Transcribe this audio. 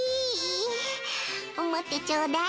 もっとちょうだい。